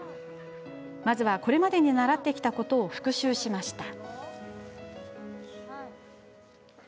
まずは、これまでに習ってきたことを復習しました。